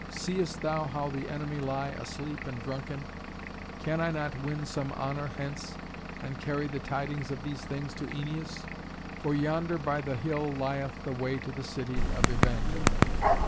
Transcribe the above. Seest thou how the enemy lie asleep and drunken? Can I not win some honour hence, and carry the tidings of these things to Æneas? For yonder by the hill lieth the way to the city of Evander."